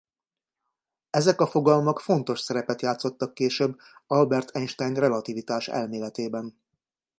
Ezek a fogalmak fontos szerepet játszottak később Albert Einstein relativitáselméletében.